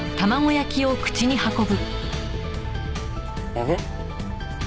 あれ？